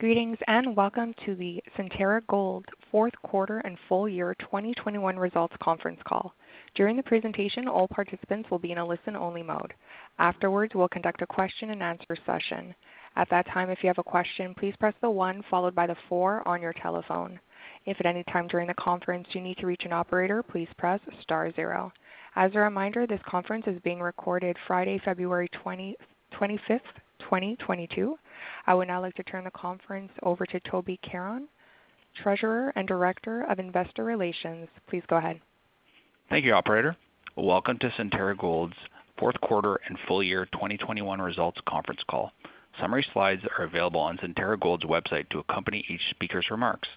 Greetings, and welcome to the Centerra Gold fourth quarter and full year 2021 results conference call. During the presentation, all participants will be in a listen-only mode. Afterwards, we'll conduct a question-and-answer session. At that time, if you have a question, please press the 1 followed by the 4 on your telephone. If at any time during the conference you need to reach an operator, please press star zero. As a reminder, this conference is being recorded Friday, February 25, 2022. I would now like to turn the conference over to Toby Caron, Treasurer and Director of Investor Relations. Please go ahead. Thank you, operator. Welcome to Centerra Gold's fourth quarter and full year 2021 results conference call. Summary slides are available on Centerra Gold's website to accompany each speaker's remarks.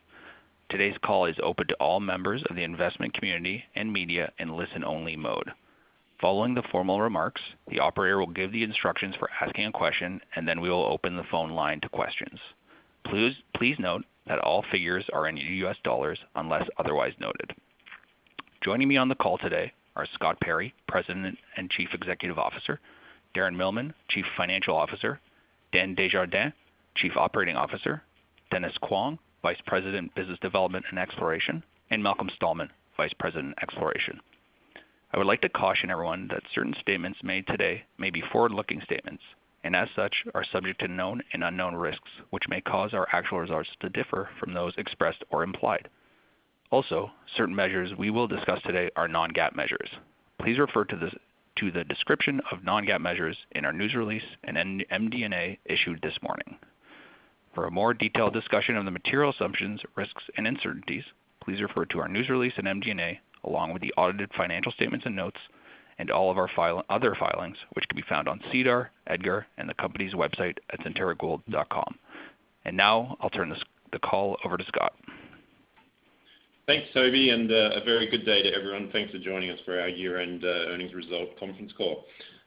Today's call is open to all members of the investment community and media in listen-only mode. Following the formal remarks, the operator will give the instructions for asking a question, and then we will open the phone line to questions. Please note that all figures are in U.S. dollars, unless otherwise noted. Joining me on the call today are Scott Perry, President and Chief Executive Officer, Darren Millman, Chief Financial Officer, Dan Desjardins, Chief Operating Officer, Dennis Kwong, Vice President, Business Development and Exploration, and Malcolm Stallman, Vice President, Exploration. I would like to caution everyone that certain statements made today may be forward-looking statements, and as such, are subject to known and unknown risks, which may cause our actual results to differ from those expressed or implied. Also, certain measures we will discuss today are non-GAAP measures. Please refer to the description of non-GAAP measures in our news release, and MD&A issued this morning. For a more detailed discussion of the material assumptions, risks, and uncertainties, please refer to our news release and MD&A, along with the audited financial statements and notes, and all of our other filings, which can be found on SEDAR, EDGAR, and the company's website at centerragold.com. Now I'll turn the call over to Scott. Thanks, Toby, and a very good day to everyone. Thanks for joining us for our year-end earnings result conference call.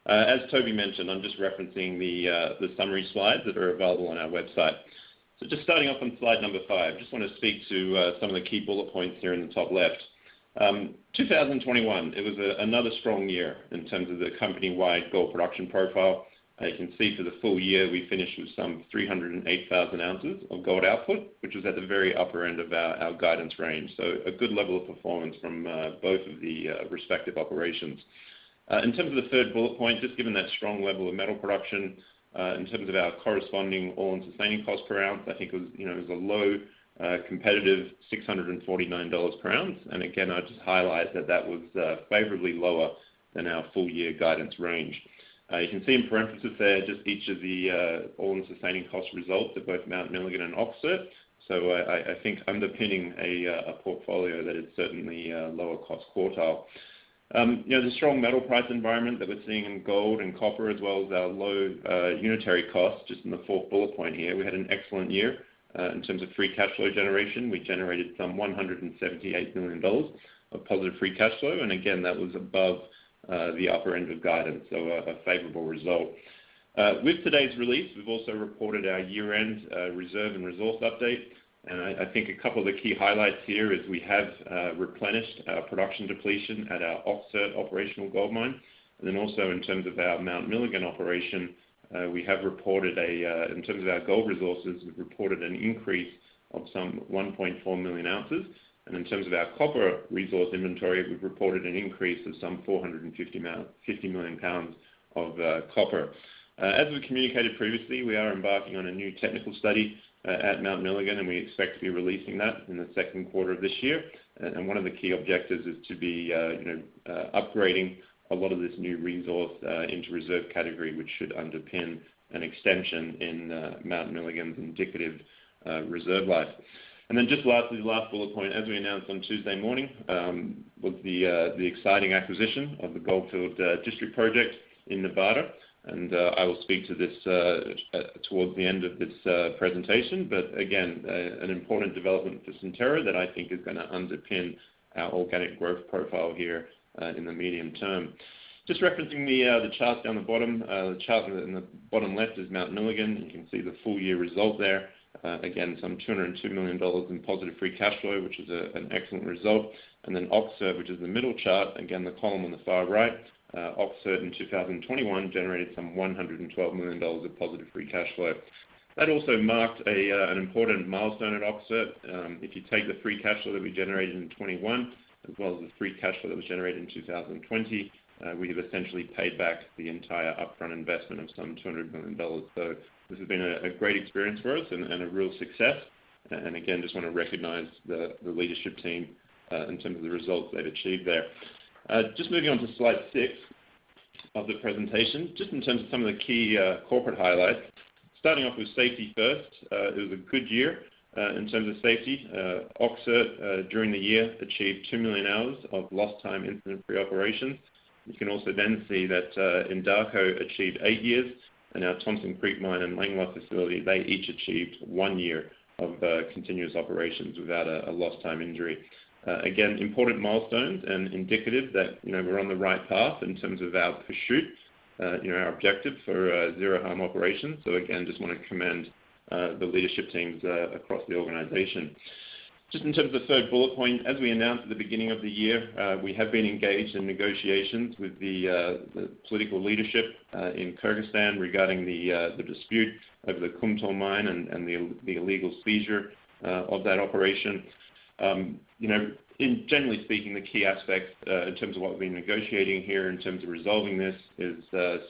As Toby mentioned, I'm just referencing the summary slides that are available on our website. Just starting off on slide number five, just wanna speak to some of the key bullet points there in the top left. 2021, it was another strong year in terms of the company-wide gold production profile. As you can see for the full year, we finished with some 308,000 ounces of gold output, which was at the very upper end of our guidance range. A good level of performance from both of the respective operations. In terms of the third bullet point, just given that strong level of metal production, in terms of our corresponding all-in sustaining cost per ounce, I think it was, you know, it was a low, competitive $649 per ounce. Again, I'd just highlight that was favorably lower than our full year guidance range. You can see in parentheses there just each of the, all-in sustaining cost results at both Mount Milligan and Öksüt. I think underpinning a portfolio that is certainly lower cost quartile. You know, the strong metal price environment that we're seeing in gold and copper as well as our low, unit cost, just in the fourth bullet point here, we had an excellent year, in terms of free cash flow generation. We generated $178 million of positive free cash flow, and again, that was above the upper end of guidance. A favorable result. With today's release, we've also reported our year-end reserve and resource update. I think a couple of the key highlights here is we have replenished our production depletion at our Öksüt operational gold mine. Then also in terms of our Mount Milligan operation, we have reported in terms of our gold resources, we've reported an increase of some 1.4 million ounces. In terms of our copper resource inventory, we've reported an increase of some 450 million pounds of copper. As we communicated previously, we are embarking on a new technical study at Mount Milligan, and we expect to be releasing that in the second quarter of this year. One of the key objectives is to be you know upgrading a lot of this new resource into reserve category, which should underpin an extension in Mount Milligan's indicative reserve life. Just lastly, the last bullet point, as we announced on Tuesday morning, was the exciting acquisition of the Goldfield District project in Nevada. I will speak to this towards the end of this presentation. Again, an important development for Centerra that I think is gonna underpin our organic growth profile here in the medium term. Just referencing the charts down the bottom. The chart in the bottom left is Mount Milligan. You can see the full-year result there. Again, $202 million in positive free cash flow, which is an excellent result. Then Öksüt, which is the middle chart, again, the column on the far right. Öksüt in 2021 generated $112 million of positive free cash flow. That also marked an important milestone at Öksüt. If you take the free cash flow that we generated in 2021 as well as the free cash flow that was generated in 2020, we have essentially paid back the entire upfront investment of $200 million. This has been a great experience for us and a real success. Again, just want to recognize the leadership team in terms of the results they've achieved there. Just moving on to slide six of the presentation, just in terms of some of the key corporate highlights. Starting off with safety first. It was a good year in terms of safety. Öksüt during the year achieved 2 million hours of lost time incident-free operations. You can also then see that Endako achieved eight years, and our Thompson Creek Mine and Langeloth facility, they each achieved one year of continuous operations without a lost time injury. Again, important milestones and indicative that, you know, we're on the right path in terms of our pursuit, you know, our objective for zero harm operations. Again, just wanna commend the leadership teams across the organization. Just in terms of the third bullet point, as we announced at the beginning of the year, we have been engaged in negotiations with the political leadership in Kyrgyzstan regarding the dispute over the Kumtor Mine and the illegal seizure of that operation. You know, generally speaking, the key aspect in terms of what we've been negotiating here in terms of resolving this is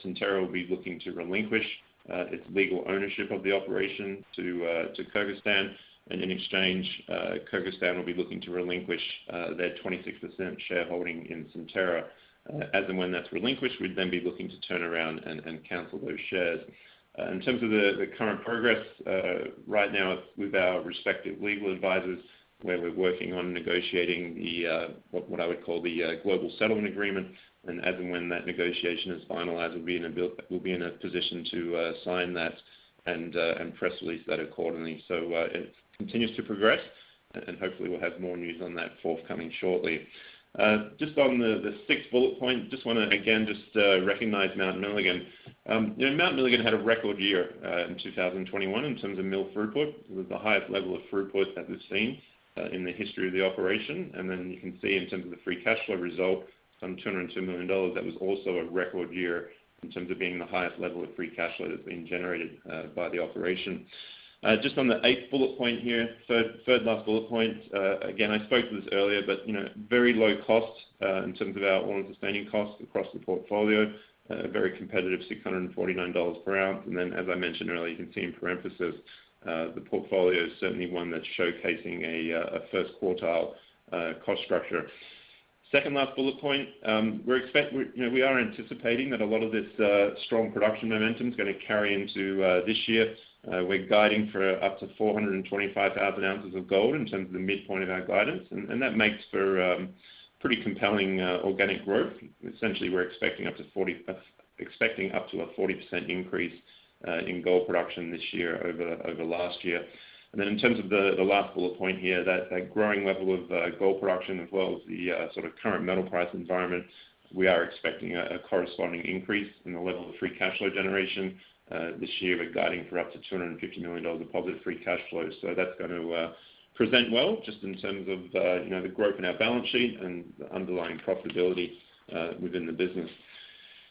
Centerra will be looking to relinquish its legal ownership of the operation to Kyrgyzstan, and in exchange, Kyrgyzstan will be looking to relinquish their 26% shareholding in Centerra. As and when that's relinquished, we'd then be looking to turn around and cancel those shares. In terms of the current progress right now with our respective legal advisors, where we're working on negotiating the what I would call the global settlement agreement. As and when that negotiation is finalized, we'll be in a position to sign that and press release that accordingly. It continues to progress and hopefully we'll have more news on that forthcoming shortly. Just on the sixth bullet point, just wanna again just recognize Mount Milligan. You know, Mount Milligan had a record year in 2021 in terms of mill throughput. It was the highest level of throughput that we've seen in the history of the operation. Then you can see in terms of the free cash flow result, some $202 million. That was also a record year in terms of being the highest level of free cash flow that's been generated by the operation. Just on the eighth bullet point here, third last bullet point, again, I spoke to this earlier, but you know, very low cost in terms of our all-in sustaining costs across the portfolio. Very competitive $649 per ounce. As I mentioned earlier, you can see in parenthesis, the portfolio is certainly one that's showcasing a first quartile cost structure. Second last bullet point, you know, we are anticipating that a lot of this strong production momentum's gonna carry into this year. We're guiding for up to 425,000 ounces of gold in terms of the midpoint of our guidance. That makes for pretty compelling organic growth. Essentially, we're expecting up to a 40% increase in gold production this year over last year. Then in terms of the last bullet point here, that growing level of gold production as well as the sort of current metal price environment, we are expecting a corresponding increase in the level of free cash flow generation this year. We're guiding for up to $250 million of positive free cash flow. That's gonna present well just in terms of you know, the growth in our balance sheet and the underlying profitability within the business.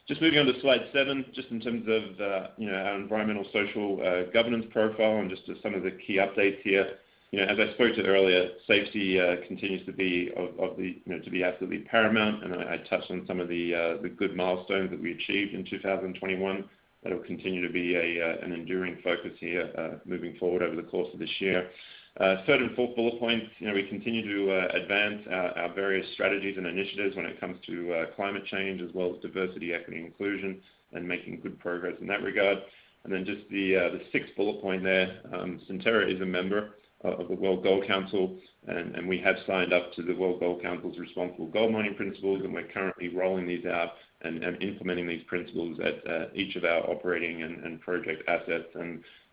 Just moving on to slide seven, just in terms of the, you know, our environmental, social, governance profile and just some of the key updates here. You know, as I spoke to earlier, safety continues to be of the, you know, absolutely paramount. I touched on some of the good milestones that we achieved in 2021. That'll continue to be an enduring focus here, moving forward over the course of this year. Third and fourth bullet points, you know, we continue to advance our various strategies and initiatives when it comes to climate change, as well as diversity, equity, and inclusion, and making good progress in that regard. Then just the sixth bullet point there, Centerra is a member of the World Gold Council, and we have signed up to the World Gold Council's Responsible Gold Mining Principles, and we're currently rolling these out and implementing these principles at each of our operating and project assets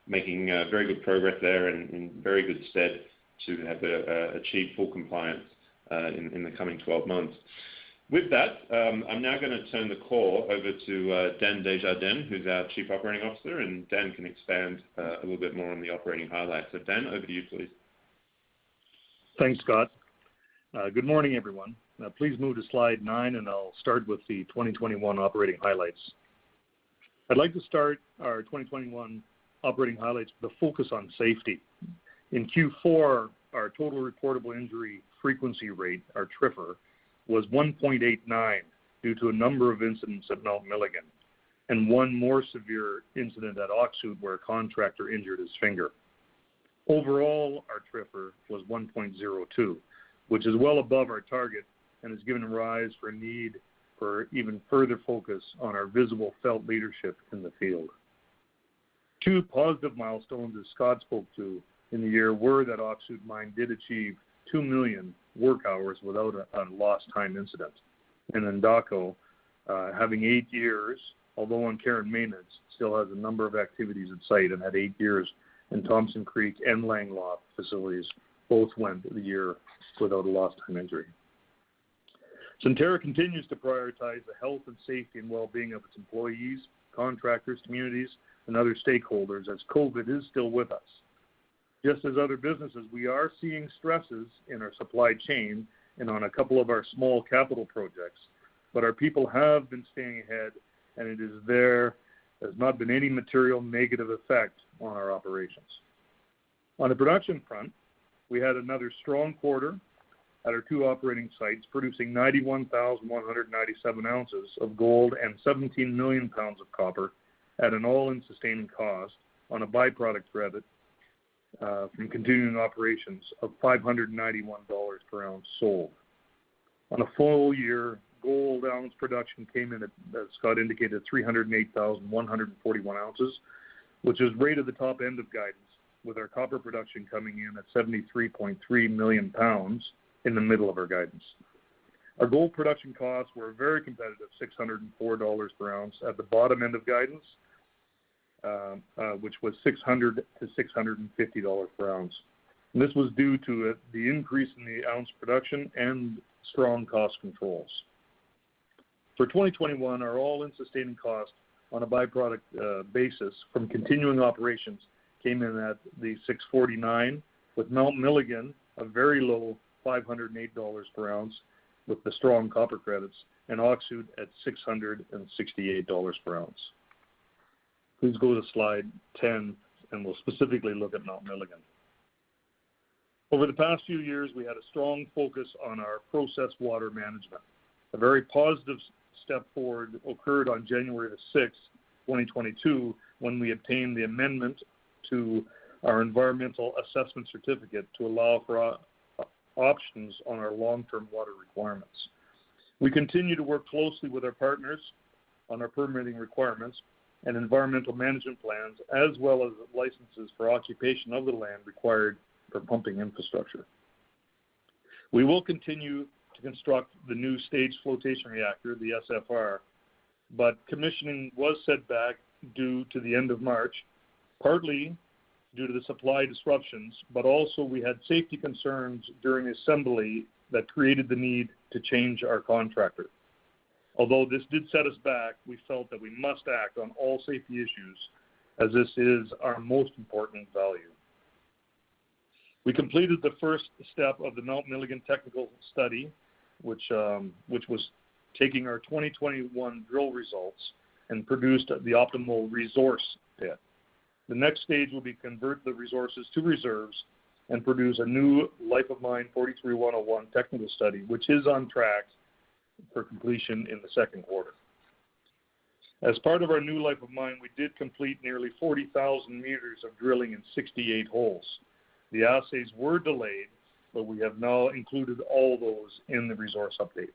and making very good progress there and very good head start to have achieve full compliance in the coming 12 months. With that, I'm now gonna turn the call over to Dan Desjardins, who's our Chief Operating Officer, and Dan can expand a little bit more on the operating highlights. Dan, over to you, please. Thanks, Scott. Good morning, everyone. Please move to slide nine, and I'll start with the 2021 operating highlights. I'd like to start our 2021 operating highlights with a focus on safety. In Q4, our total reportable injury frequency rate, our TRIFR, was 1.89 due to a number of incidents at Mount Milligan and one more severe incident at Öksüt where a contractor injured his finger. Overall, our TRIFR was 1.02, which is well above our target and has given rise for a need for even further focus on our visible felt leadership in the field. Two positive milestones that Scott spoke to in the year were that Öksüt Mine did achieve 2 million work hours without a lost time incident. Endako having eight years, although on care and maintenance, still has a number of activities at site and had eight years, and Thompson Creek and Langeloth facilities both went the year without a lost time injury. Centerra continues to prioritize the health and safety and wellbeing of its employees, contractors, communities, and other stakeholders, as COVID is still with us. Just as other businesses, we are seeing stresses in our supply chain and on a couple of our small capital projects, but our people have been staying ahead, and it is there. There's not been any material negative effect on our operations. On a production front, we had another strong quarter at our two operating sites, producing 91,197 ounces of gold and 17 million pounds of copper at an all-in sustaining cost on a byproduct credit from continuing operations of $591 per ounce sold. On a full year, gold ounce production came in at, as Scott indicated, 308,141 ounces, which is right at the top end of guidance, with our copper production coming in at 73.3 million pounds in the middle of our guidance. Our gold production costs were a very competitive $604 per ounce at the bottom end of guidance, which was $600-$650 per ounce. This was due to the increase in the ounce production and strong cost controls. For 2021, our all-in sustaining cost on a byproduct basis from continuing operations came in at $649 with Mount Milligan, a very low $508 per ounce with the strong copper credits and Öksüt at $668 per ounce. Please go to slide 10, and we'll specifically look at Mount Milligan. Over the past few years, we had a strong focus on our process water management. A very positive step forward occurred on January 6, 2022, when we obtained the amendment to our environmental assessment certificate to allow for options on our long-term water requirements. We continue to work closely with our partners on our permitting requirements and environmental management plans, as well as licenses for occupation of the land required for pumping infrastructure. We will continue to construct the new staged flotation reactor, the SFR, but commissioning was set back due to the end of March, partly due to the supply disruptions, but also we had safety concerns during assembly that created the need to change our contractor. Although this did set us back, we felt that we must act on all safety issues as this is our most important value. We completed the first step of the Mount Milligan technical study, which was taking our 2021 drill results and produced the optimal resource pit. The next stage will be to convert the resources to reserves and produce a new life of mine 43-101 technical study, which is on track for completion in the second quarter. As part of our new life of mine, we did complete nearly 40,000 meters of drilling in 68 holes. The assays were delayed, but we have now included all those in the resource update.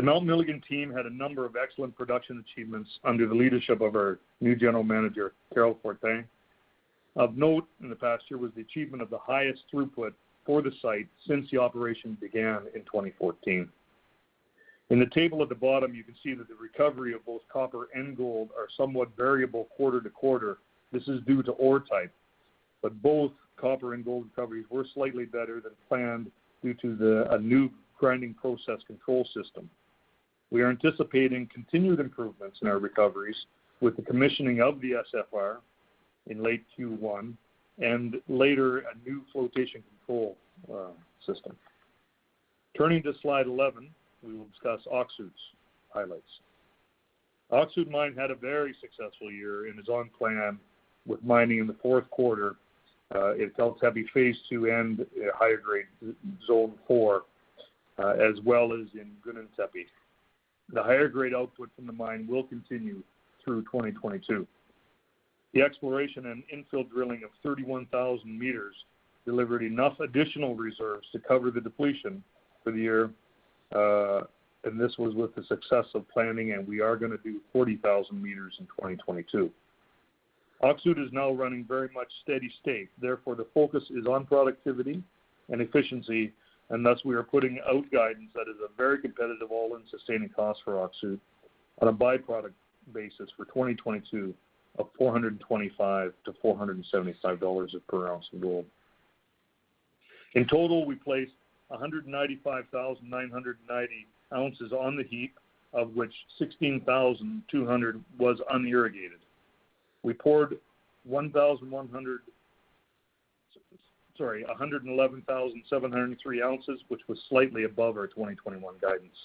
The Mount Milligan team had a number of excellent production achievements under the leadership of our new general manager, Carol Fortin. Of note in the past year was the achievement of the highest throughput for the site since the operation began in 2014. In the table at the bottom, you can see that the recovery of both copper and gold are somewhat variable quarter to quarter. This is due to ore type, but both copper and gold recoveries were slightly better than planned due to a new grinding process control system. We are anticipating continued improvements in our recoveries with the commissioning of the SFR in late Q1 and later a new flotation control system. Turning to slide 11, we will discuss Öksüt's highlights. Öksüt Mine had a very successful year and is on plan with mining in the fourth quarter at Keltepe phase II and higher grade Zone 4, as well as in Güneytepe. The higher grade output from the mine will continue through 2022. The exploration and infill drilling of 31,000 meters delivered enough additional reserves to cover the depletion for the year, and this was with the success of planning, and we are going to do 40,000 meters in 2022. Öksüt is now running very much steady state. Therefore, the focus is on productivity and efficiency, and thus, we are putting out guidance that is a very competitive all-in sustaining cost for Öksüt on a byproduct basis for 2022 of $425-$475 per ounce of gold. In total, we placed 195,990 ounces on the heap, of which 16,200 was unirrigated. We poured 111,703 ounces, which was slightly above our 2021 guidance.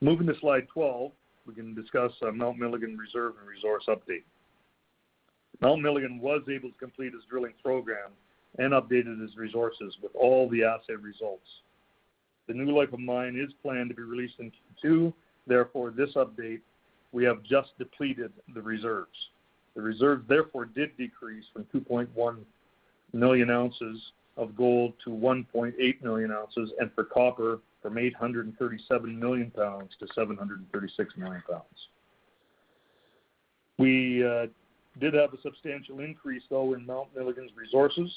Moving to slide 12, we can discuss Mount Milligan reserve and resource update. Mount Milligan was able to complete its drilling program and updated its resources with all the assay results. The new life of mine is planned to be released in Q2. Therefore, this update, we have just depleted the reserves. The reserve therefore did decrease from 2.1 million ounces of gold to 1.8 million ounces, and for copper, from 837 million pounds to 736 million pounds. We did have a substantial increase though in Mount Milligan's resources,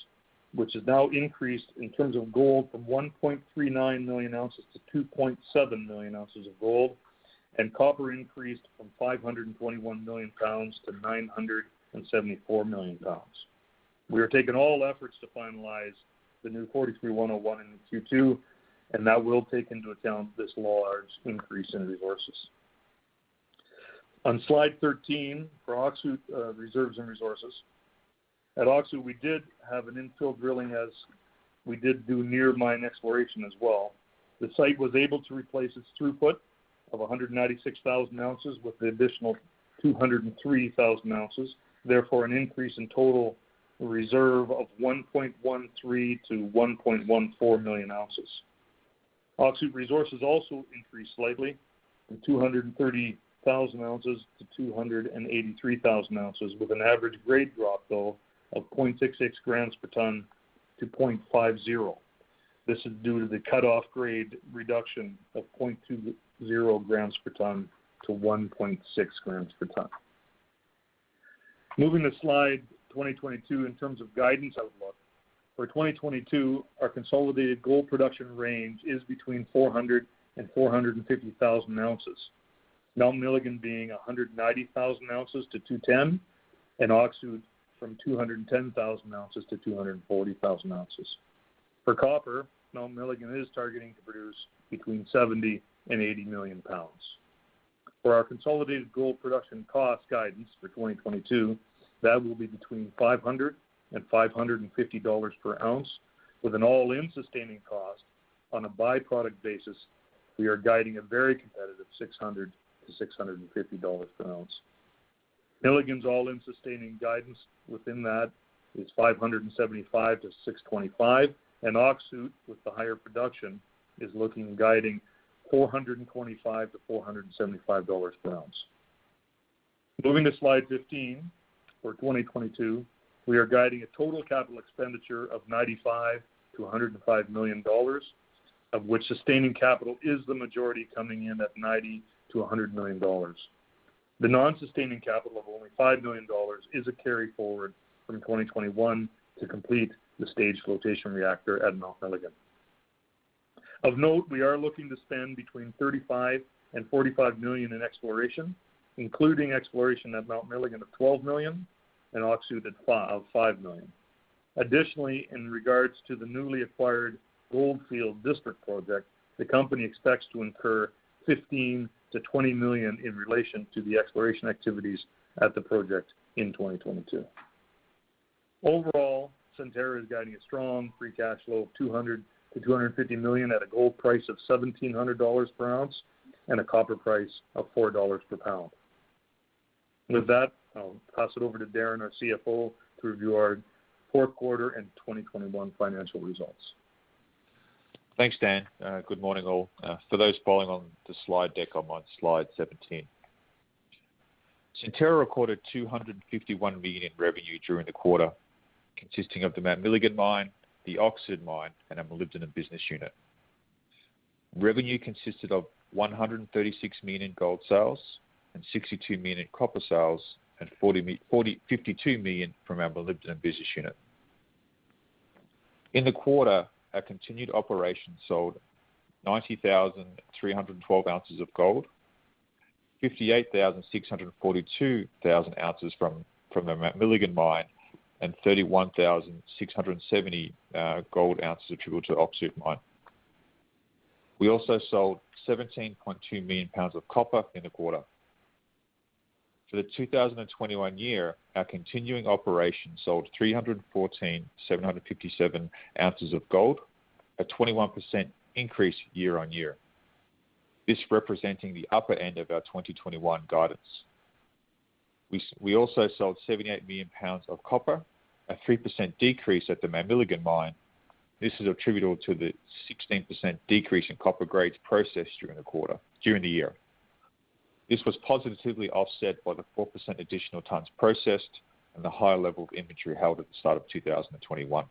which is now increased in terms of gold from 1.39 million ounces to 2.7 million ounces of gold, and copper increased from 521 million pounds to 974 million pounds. We are taking all efforts to finalize the new 43-101 in Q2, and that will take into account this large increase in resources. On slide 13, for Öksüt, reserves and resources. At Öksüt, we did have an infill drilling as we did do near mine exploration as well. The site was able to replace its throughput of 196,000 ounces with the additional 203,000 ounces. Therefore, an increase in total reserves of 1.13-1.14 million ounces. Öksüt resources also increased slightly from 230,000 ounces to 283,000 ounces with an average grade drop from 0.66 grams per ton to 0.50. This is due to the cutoff grade reduction from 1.6 grams per ton to 0.20 grams per ton. Moving to slide 22 in terms of guidance outlook. For 2022, our consolidated gold production range is between 400 and 450 thousand ounces. Mount Milligan being 190 thousand ounces to 210, and Öksüt from 210 thousand ounces to 240 thousand ounces. For copper, Mount Milligan is targeting to produce between 70 and 80 million pounds. For our consolidated gold production cost guidance for 2022, that will be between $500 and $550 per ounce, with an all-in sustaining cost. On a byproduct basis, we are guiding a very competitive $600-$650 per ounce. Milligan's all-in sustaining guidance within that is $575-$625, and Öksüt with the higher production, is looking and guiding $425-$475 per ounce. Moving to slide 15, for 2022, we are guiding a total capital expenditure of $95 million-$105 million, of which sustaining capital is the majority coming in at $90 million-$100 million. The non-sustaining capital of only $5 million is a carry-forward from 2021 to complete the staged flotation reactor at Mount Milligan. Of note, we are looking to spend between $35 million-$45 million in exploration, including exploration at Mount Milligan of $12 million and Öksüt of five million. Additionally, in regards to the newly acquired Goldfield District project, the company expects to incur $15 million-$20 million in relation to the exploration activities at the project in 2022. Overall, Centerra is guiding a strong free cash flow of $200-$250 million at a gold price of $1,700 per ounce and a copper price of $4 per pound. With that, I'll pass it over to Darren, our CFO, to review our fourth quarter and 2021 financial results. Thanks, Dan. Good morning all. For those following on the slide deck, I'm on slide 17. Centerra recorded $251 million revenue during the quarter, consisting of the Mount Milligan mine, the Öksüt mine, and our molybdenum business unit. Revenue consisted of $136 million in gold sales and $62 million in copper sales, and $52 million from our molybdenum business unit. In the quarter, our continuing operations sold 90,312 ounces of gold, 58,642 ounces from the Mount Milligan mine, and 31,670 gold ounces attributable to Öksüt mine. We also sold 17.2 million pounds of copper in the quarter. For the 2021 year, our continuing operation sold 314,757 ounces of gold, a 21% increase year-over-year. This representing the upper end of our 2021 guidance. We also sold 78 million pounds of copper, a 3% decrease at the Mount Milligan mine. This is attributable to the 16% decrease in copper grades processed during the quarter, during the year. This was positively offset by the 4% additional tons processed and the higher level of inventory held at the start of 2021.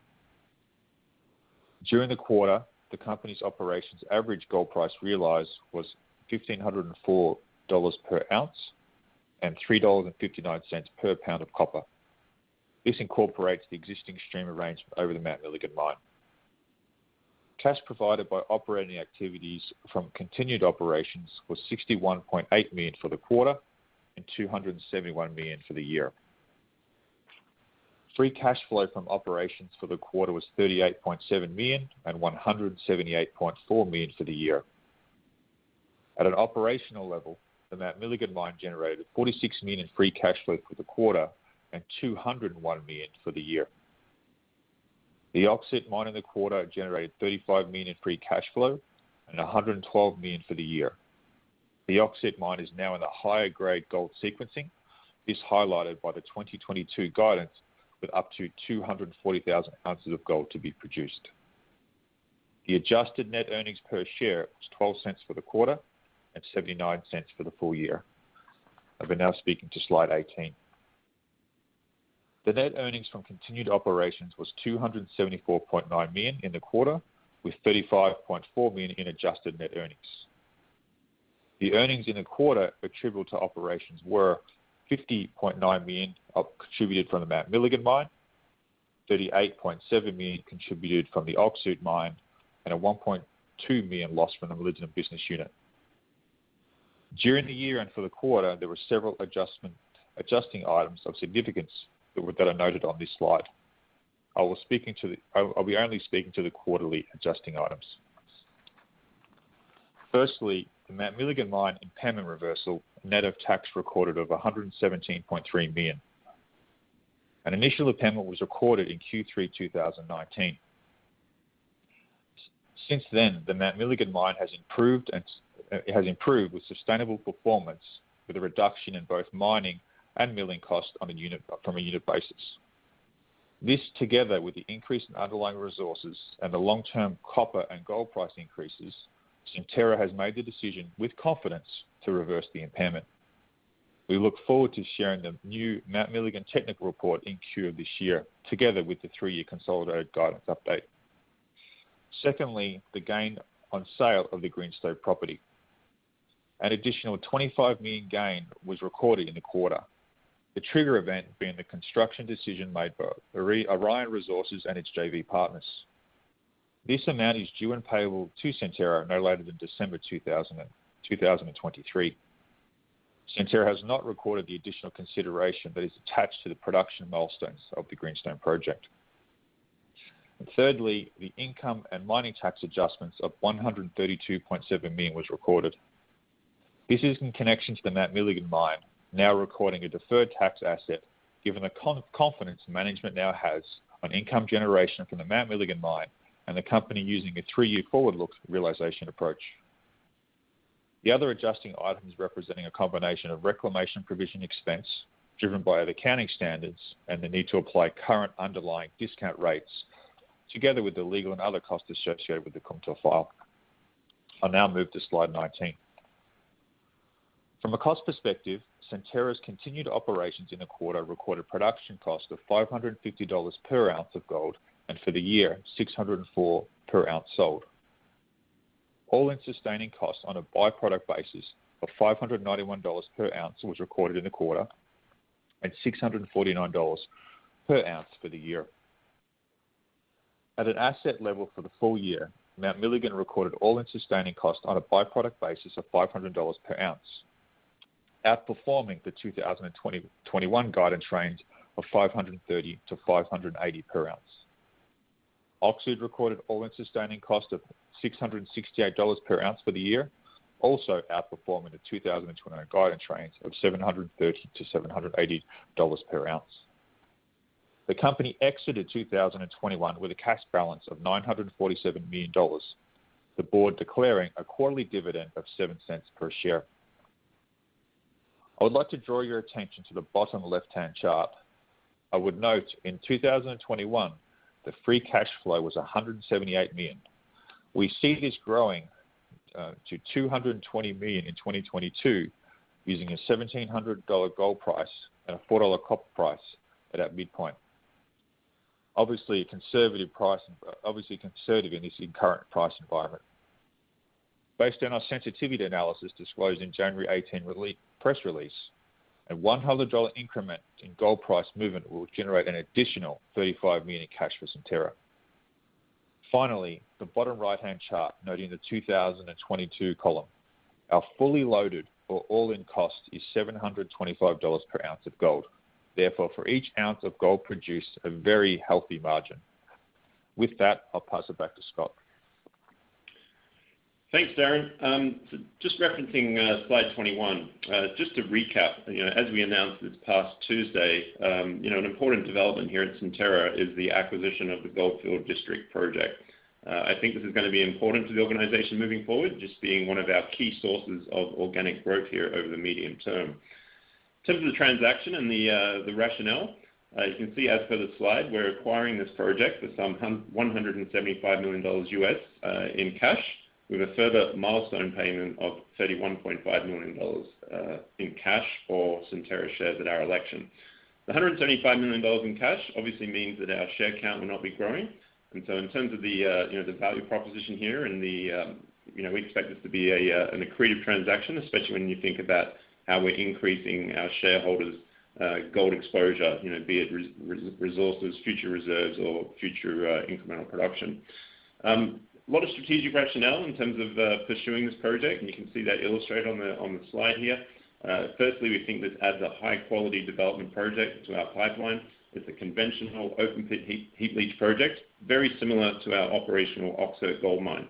During the quarter, the company's operations average gold price realized was $1,504 per ounce and $3.59 per pound of copper. This incorporates the existing stream arrangement over the Mount Milligan mine. Cash provided by operating activities from continued operations was $61.8 million for the quarter and $271 million for the year. Free cash flow from operations for the quarter was $38.7 million and $178.4 million for the year. At an operational level, the Mount Milligan mine generated $46 million free cash flow for the quarter and $201 million for the year. The Öksüt mine in the quarter generated $35 million free cash flow and $112 million for the year. The Öksüt mine is now in a higher grade gold sequencing, is highlighted by the 2022 guidance with up to 240,000 ounces of gold to be produced. The adjusted net earnings per share was $0.12 for the quarter and $0.79 for the full year. I've been now speaking to slide 18. The net earnings from continued operations was $274.9 million in the quarter, with $35.4 million in adjusted net earnings. The earnings in the quarter attributable to operations were $50.9 million contributed from the Mount Milligan mine, $38.7 million contributed from the Öksüt mine, and a $1.2 million loss from the molybdenum business unit. During the year and for the quarter, there were several adjusting items of significance that I noted on this slide. I'll be only speaking to the quarterly adjusting items. Firstly, the Mount Milligan mine impairment reversal, net of tax recorded of $117.3 million. An initial impairment was recorded in Q3 2019. Since then, the Mount Milligan mine has improved and it has improved with sustainable performance with a reduction in both mining and milling costs on a unit from a unit basis. This, together with the increase in underlying resources and the long-term copper and gold price increases, Centerra has made the decision with confidence to reverse the impairment. We look forward to sharing the new Mount Milligan technical report in Q1 of this year, together with the three year consolidated guidance update. Secondly, the gain on sale of the Greenstone property. An additional $25 million gain was recorded in the quarter. The trigger event being the construction decision made by Orion Mine Finance and its JV partners. This amount is due and payable to Centerra no later than December 2023. Centerra has not recorded the additional consideration that is attached to the production milestones of the Greenstone project. Thirdly, the income and mining tax adjustments of $132.7 million was recorded. This is in connection to the Mount Milligan mine now recording a deferred tax asset, given the confidence management now has on income generation from the Mount Milligan mine and the company using a three year forward-look realization approach. The other adjusting items representing a combination of reclamation provision expense driven by other accounting standards and the need to apply current underlying discount rates together with the legal and other costs associated with the Kumtor file. I'll now move to slide 19. From a cost perspective, Centerra's continued operations in the quarter recorded production cost of $550 per ounce of gold, and for the year, $604 per ounce sold. All-in sustaining costs on a byproduct basis of $591 per ounce was recorded in the quarter, and $649 per ounce for the year. At an asset level for the full year, Mount Milligan recorded all-in sustaining costs on a byproduct basis of $500 per ounce, outperforming the 2020-2021 guidance range of $530-$580 per ounce. Öksüt recorded all-in sustaining cost of $668 per ounce for the year, also outperforming the 2020 guidance range of $730-$780 per ounce. The company exited 2021 with a cash balance of $947 million, the board declaring a quarterly dividend of $0.07 per share. I would like to draw your attention to the bottom left-hand chart. I would note in 2021, the free cash flow was $178 million. We see this growing to $220 million in 2022 using a $1,700 gold price and a $4 copper price at our midpoint. Obviously, a conservative pricing, obviously conservative in this current price environment. Based on our sensitivity analysis disclosed in January 2018 press release, a $100 increment in gold price movement will generate an additional $35 million cash for Centerra. Finally, the bottom right-hand chart, noting the 2022 column. Our fully loaded or all-in cost is $725 per ounce of gold. Therefore, for each ounce of gold produced, a very healthy margin. With that, I'll pass it back to Scott. Thanks, Darren. So just referencing slide 21. Just to recap, you know, as we announced this past Tuesday, you know, an important development here at Centerra is the acquisition of the Goldfield District project. I think this is gonna be important to the organization moving forward, just being one of our key sources of organic growth here over the medium term. In terms of the transaction and the rationale, you can see as per the slide, we're acquiring this project for $175 million in cash, with a further milestone payment of $31.5 million in cash or Centerra shares at our election. The $175 million in cash obviously means that our share count will not be growing. In terms of the, you know, the value proposition here and the, you know, we expect this to be a, an accretive transaction, especially when you think about how we're increasing our shareholders', gold exposure, you know, be it resources, future reserves or future, incremental production. A lot of strategic rationale in terms of, pursuing this project, and you can see that illustrated on the slide here. Firstly, we think this adds a high-quality development project to our pipeline. It's a conventional open pit heap leach project, very similar to our operational Öksüt Gold Mine.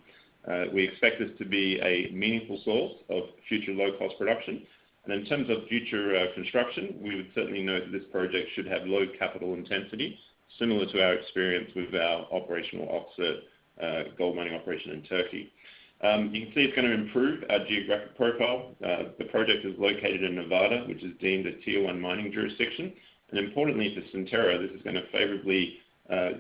We expect this to be a meaningful source of future low-cost production. In terms of future construction, we would certainly note that this project should have low capital intensity, similar to our experience with our operational Öksüt gold mining operation in Turkey. You can see it's gonna improve our geographic profile. The project is located in Nevada, which is deemed a tier one mining jurisdiction. Importantly to Centerra, this is gonna favorably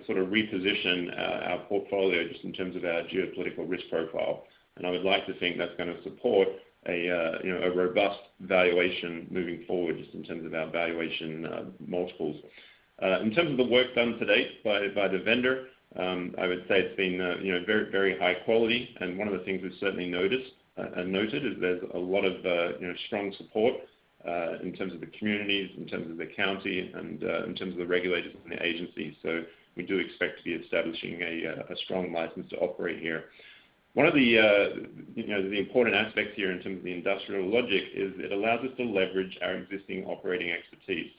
sort of reposition our portfolio just in terms of our geopolitical risk profile. I would like to think that's gonna support a you know a robust valuation moving forward, just in terms of our valuation multiples. In terms of the work done to date by the vendor, I would say it's been you know very very high quality. One of the things we've certainly noticed and noted is there's a lot of, you know, strong support in terms of the communities, in terms of the county and in terms of the regulators and the agencies. We do expect to be establishing a strong license to operate here. One of the, you know, the important aspects here in terms of the industrial logic is it allows us to leverage our existing operating expertise.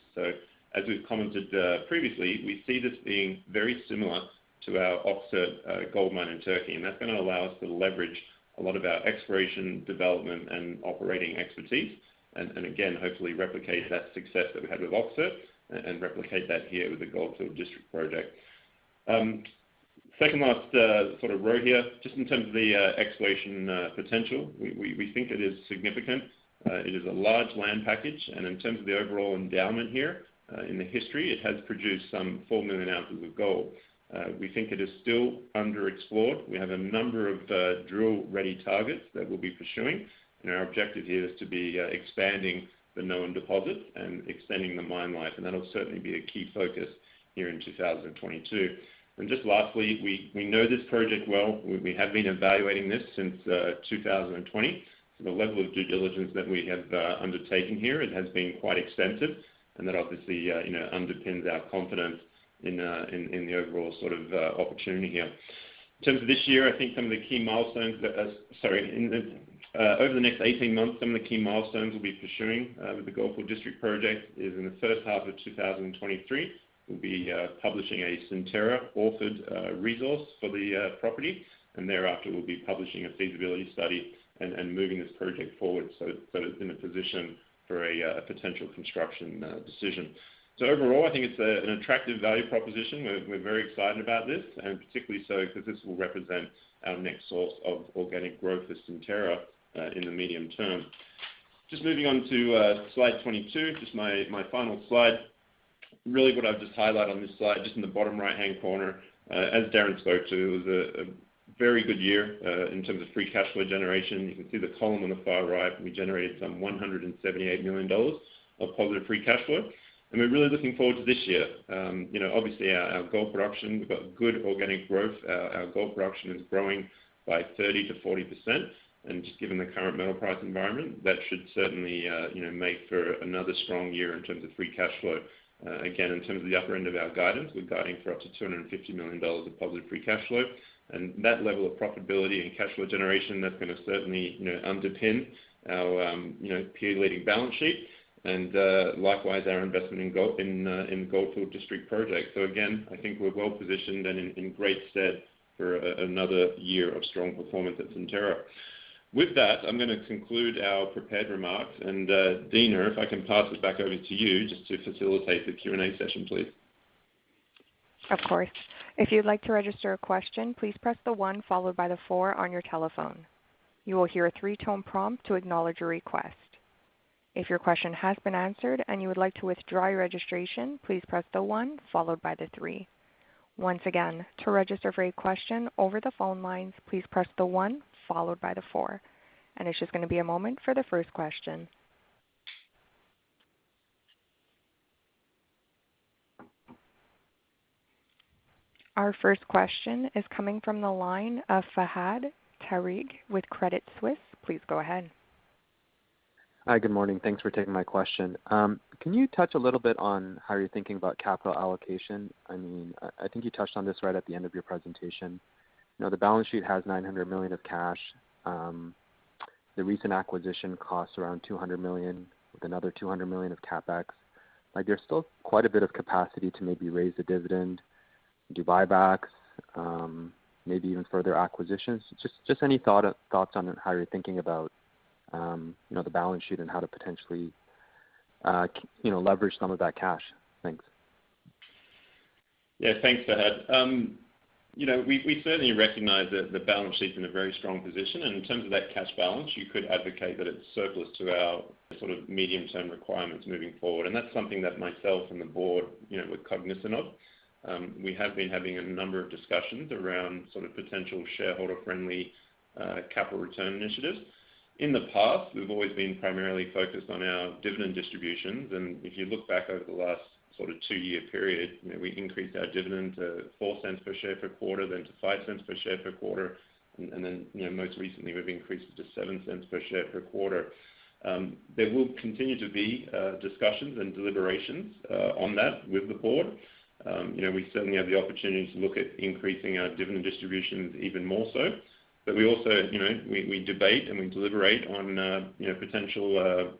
As we've commented previously, we see this being very similar to our Öksüt gold mine in Turkey, and that's gonna allow us to leverage a lot of our exploration, development, and operating expertise. And again, hopefully replicate that success that we've had with Öksüt and replicate that here with the Goldfield District project. Second last, sort of row here, just in terms of the exploration potential, we think it is significant. It is a large land package, and in terms of the overall endowment here, in the history, it has produced some 4 million ounces of gold. We think it is still underexplored. We have a number of drill-ready targets that we'll be pursuing, and our objective here is to be expanding the known deposit and extending the mine life, and that'll certainly be a key focus here in 2022. Just lastly, we know this project well. We have been evaluating this since 2020. The level of due diligence that we have undertaken here. It has been quite extensive and that obviously, you know, underpins our confidence in the overall sort of opportunity here. In terms of this year, I think some of the key milestones. In over the next 18 months, some of the key milestones we'll be pursuing with the Goldfield District project is in the first half of 2023, we'll be publishing a Centerra-authored resource for the property. And thereafter, we'll be publishing a feasibility study and moving this project forward so that it's in a position for a potential construction decision. Overall, I think it's an attractive value proposition. We're very excited about this, and particularly so because this will represent our next source of organic growth for Centerra in the medium term. Just moving on to slide 22, just my final slide. Really what I've just highlighted on this slide, just in the bottom right-hand corner, as Darren spoke to, it was a very good year in terms of free cash flow generation. You can see the column on the far right. We generated some $178 million of positive free cash flow, and we're really looking forward to this year. You know, obviously our gold production, we've got good organic growth. Our gold production is growing by 30%-40%. Just given the current metal price environment, that should certainly, you know, make for another strong year in terms of free cash flow. Again, in terms of the upper end of our guidance, we're guiding for up to $250 million of positive free cash flow. That level of profitability and cash flow generation, that's gonna certainly, you know, underpin our, you know, peer-leading balance sheet and, likewise our investment in Goldfield District project. Again, I think we're well positioned and in great stead for another year of strong performance at Centerra. With that, I'm gonna conclude our prepared remarks. Dina, if I can pass it back over to you just to facilitate the Q&A session, please. Of course. If you'd like to register a question, please press the one followed by the four on your telephone. You will hear a three-tone prompt to acknowledge your request. If your question has been answered and you would like to withdraw your registration, please press the one followed by the three. Once again, to register for a question over the phone lines, please press the one followed by the four. It's just gonna be a moment for the first question. Our first question is coming from the line of Fahad Tariq with Credit Suisse. Please go ahead. Hi. Good morning. Thanks for taking my question. Can you touch a little bit on how you're thinking about capital allocation? I mean, I think you touched on this right at the end of your presentation. You know, the balance sheet has $900 million of cash. The recent acquisition costs around $200 million with another $200 million of CapEx. Like, there's still quite a bit of capacity to maybe raise the dividend, do buybacks, maybe even further acquisitions. Just any thoughts on how you're thinking about, you know, the balance sheet and how to potentially, you know, leverage some of that cash. Thanks. Yeah. Thanks, Fahad. You know, we certainly recognize that the balance sheet's in a very strong position. In terms of that cash balance, you could advocate that it's surplus to our sort of medium-term requirements moving forward. That's something that myself and the board, you know, we're cognizant of. We have been having a number of discussions around sort of potential shareholder-friendly capital return initiatives. In the past, we've always been primarily focused on our dividend distributions. If you look back over the last sort of two year period, you know, we increased our dividend to $0.04 per share per quarter, then to $0.05 per share per quarter, then, you know, most recently, we've increased it to $0.07 per share per quarter. There will continue to be discussions and deliberations on that with the board. You know, we certainly have the opportunity to look at increasing our dividend distributions even more so. But we also, you know, we debate and we deliberate on, you know, potential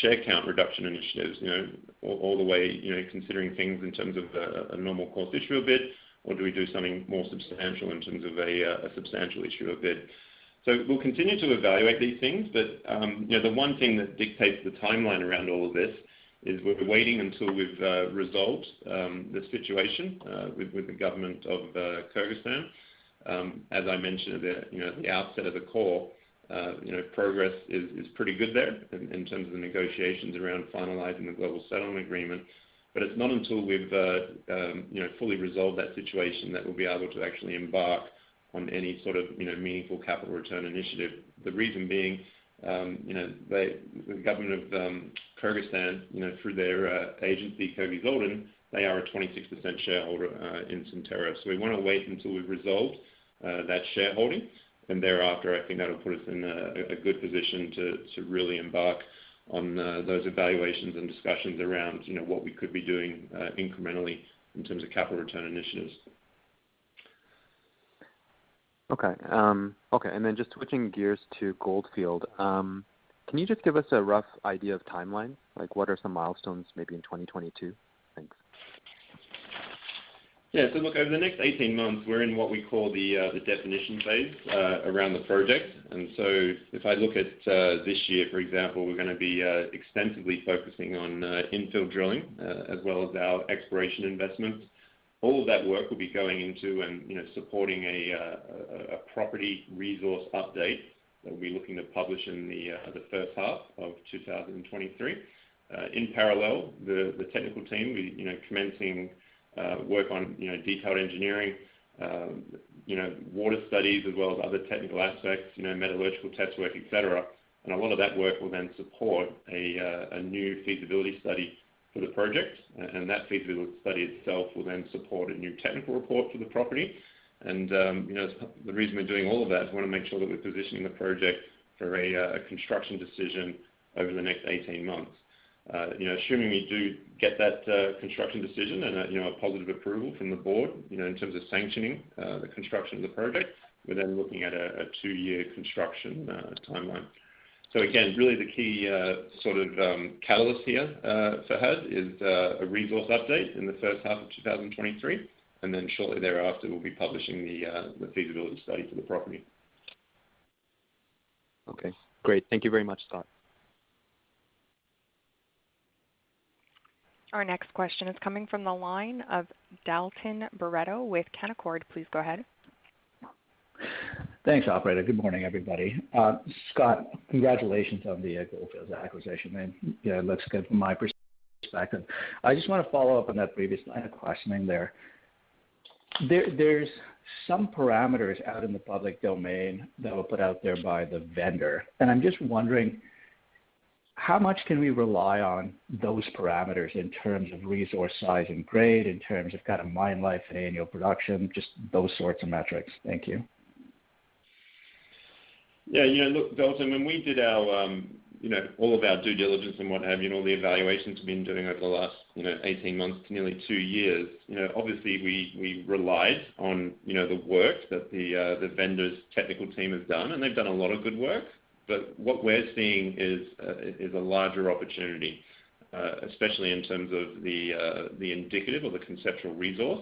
share count reduction initiatives, you know, all the way, you know, considering things in terms of a normal course issuer bid, or do we do something more substantial in terms of a substantial issuer bid. We'll continue to evaluate these things, but, you know, the one thing that dictates the timeline around all of this is we're waiting until we've resolved the situation with the government of Kyrgyzstan. As I mentioned a bit, you know, at the outset of the call, you know, progress is pretty good there in terms of the negotiations around finalizing the global settlement agreement. It's not until we've, you know, fully resolved that situation that we'll be able to actually embark on any sort of, you know, meaningful capital return initiative. The reason being, you know, they, the government of Kyrgyzstan, you know, through their agency, Kyrgyzaltyn, they are a 26% shareholder in Centerra. We wanna wait until we've resolved that shareholding, and thereafter I think that'll put us in a good position to really embark on those evaluations and discussions around, you know, what we could be doing, incrementally in terms of capital return initiatives. Just switching gears to Goldfield. Can you just give us a rough idea of timeline? Like, what are some milestones maybe in 2022? Thanks. Yeah. Look, over the next 18 months, we're in what we call the definition phase around the project. If I look at this year, for example, we're gonna be extensively focusing on infill drilling as well as our exploration investments. All of that work will be going into and, you know, supporting a property resource update that we'll be looking to publish in the first half of 2023. In parallel, the technical team will be, you know, commencing work on, you know, detailed engineering, you know, water studies as well as other technical aspects, you know, metallurgical test work, et cetera. A lot of that work will then support a new feasibility study for the project. That feasibility study itself will then support a new technical report for the property. You know, the reason we're doing all of that is we wanna make sure that we're positioning the project for a construction decision over the next 18 months. You know, assuming we do get that construction decision and a positive approval from the board, you know, in terms of sanctioning the construction of the project, we're then looking at a two year construction timeline. Really the key sort of catalyst here, Fahad, is a resource update in the first half of 2023, and then shortly thereafter, we'll be publishing the feasibility study for the property. Okay. Great. Thank you very much, Scott. Our next question is coming from the line of Dalton Baretto with Canaccord. Please go ahead. Thanks, operator. Good morning, everybody. Scott, congratulations on the Goldfield acquisition. You know, it looks good from my perspective. I just wanna follow up on that previous line of questioning there. There's some parameters out in the public domain that were put out there by the vendor. I'm just wondering, how much can we rely on those parameters in terms of resource size and grade, in terms of kind of mine life and annual production, just those sorts of metrics. Thank you. Yeah, you know, look, Dalton, when we did our, you know, all of our due diligence and what have you and all the evaluations we've been doing over the last, you know, 18 months to nearly two years, you know, obviously, we relied on, you know, the work that the vendor's technical team has done, and they've done a lot of good work. But what we're seeing is a larger opportunity, especially in terms of the indicative or the conceptual resource.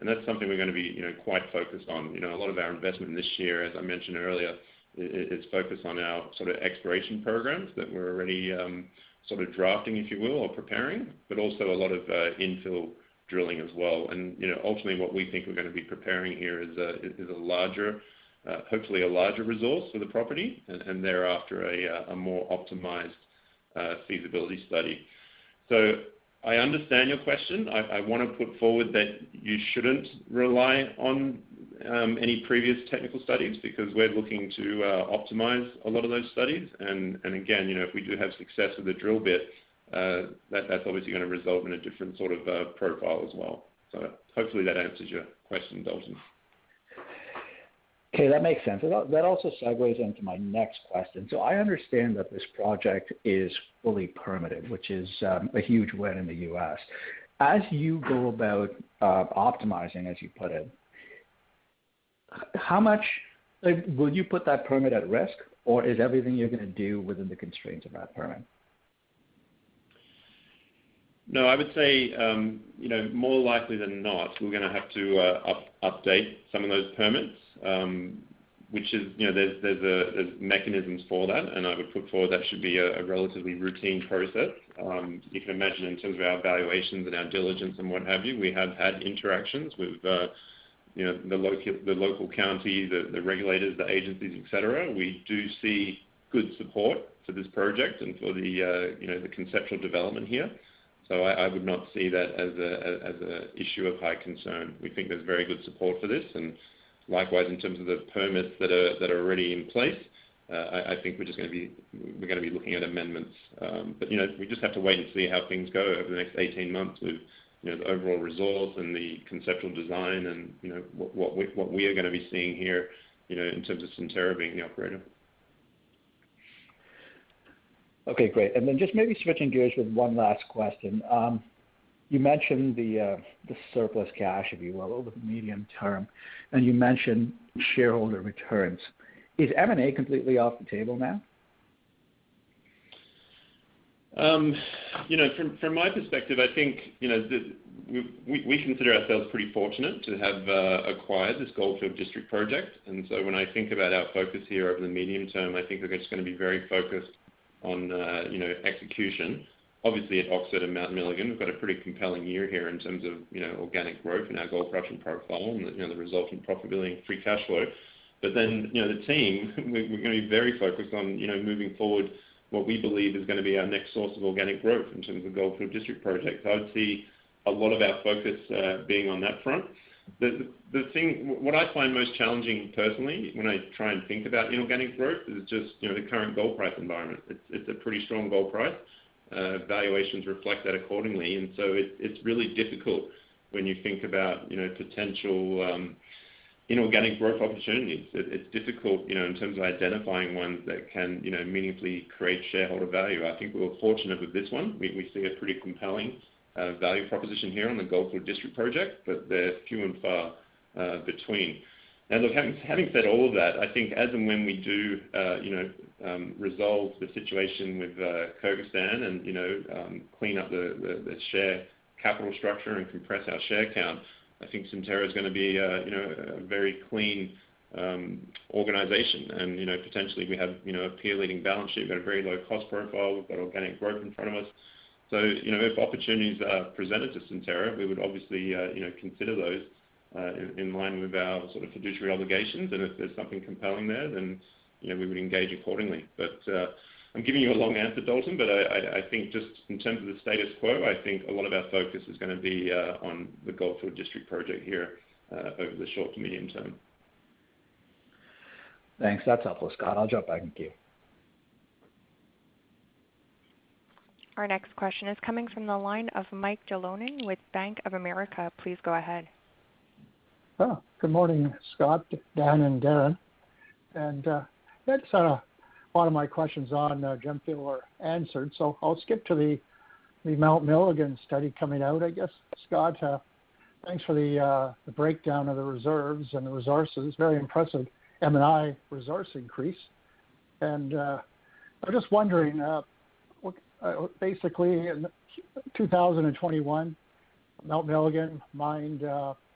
That's something we're gonna be, you know, quite focused on. You know, a lot of our investment this year, as I mentioned earlier, is focused on our sort of exploration programs that we're already, sort of drafting, if you will, or preparing, but also a lot of infill drilling as well. You know, ultimately, what we think we're gonna be preparing here is a larger, hopefully a larger resource for the property and thereafter a more optimized feasibility study. I understand your question. I wanna put forward that you shouldn't rely on any previous technical studies because we're looking to optimize a lot of those studies. Again, you know, if we do have success with the drill bit, that's obviously gonna result in a different sort of profile as well. Hopefully that answers your question, Dalton. Okay, that makes sense. That also segues into my next question. I understand that this project is fully permitted, which is a huge win in the U.S. As you go about optimizing, as you put it, will you put that permit at risk, or is everything you're gonna do within the constraints of that permit? No, I would say, you know, more likely than not, we're gonna have to update some of those permits, which is, you know, there's mechanisms for that, and I would put forward that should be a relatively routine process. You can imagine in terms of our valuations and our diligence and what have you, we have had interactions with, you know, the local county, the regulators, the agencies, et cetera. We do see good support for this project and for the, you know, the conceptual development here. So I would not see that as an issue of high concern. We think there's very good support for this. Likewise, in terms of the permits that are already in place, I think we're just gonna be looking at amendments. You know, we just have to wait and see how things go over the next 18 months with, you know, the overall resource and the conceptual design and, you know, what we are gonna be seeing here, you know, in terms of Centerra being the operator. Okay, great. Just maybe switching gears with one last question. You mentioned the surplus cash, if you will, over the medium term, and you mentioned shareholder returns. Is M&A completely off the table now? You know, from my perspective, I think, you know, we consider ourselves pretty fortunate to have acquired this Goldfield District project. When I think about our focus here over the medium term, I think we're just gonna be very focused on, you know, execution. Obviously, at Öksüt and Mount Milligan, we've got a pretty compelling year here in terms of, you know, organic growth in our gold production profile and, you know, the resulting profitability and free cash flow. You know, the team, we're gonna be very focused on, you know, moving forward, what we believe is gonna be our next source of organic growth in terms of Goldfield District project. I would see a lot of our focus being on that front. The thing. I find most challenging personally, when I try and think about inorganic growth is just, you know, the current gold price environment. It's a pretty strong gold price. Valuations reflect that accordingly. It's really difficult when you think about, you know, potential inorganic growth opportunities. It's difficult, you know, in terms of identifying ones that can, you know, meaningfully create shareholder value. I think we're fortunate with this one. We see a pretty compelling value proposition here on the Goldfield District project, but they're few and far between. Now, look, having said all of that, I think as and when we do you know resolve the situation with Kyrgyzstan and you know clean up the share capital structure and compress our share count, I think Centerra is gonna be you know a very clean organization. You know, potentially we have you know a peer-leading balance sheet. We've got a very low cost profile. We've got organic growth in front of us. You know, if opportunities are presented to Centerra, we would obviously you know consider those in line with our sort of fiduciary obligations. If there's something compelling there, then you know we would engage accordingly. I'm giving you a long answer, Dalton, but I think just in terms of the status quo, I think a lot of our focus is gonna be on the Goldfield District project here over the short to medium term. Thanks. That's helpful, Scott. I'll drop back in queue. Our next question is coming from the line of Michael Jalonen with Bank of America. Please go ahead. Good morning, Scott, Dan, and Darren. Thanks. A lot of my questions on Gemfields are answered. I'll skip to the Mount Milligan study coming out, I guess. Scott, thanks for the breakdown of the reserves and the resources. Very impressive M&I resource increase. I'm just wondering, basically in 2021 Mount Milligan mined,